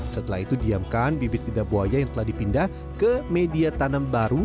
setelah itu diamkan bibit lidah buaya yang telah dipindah ke media tanam baru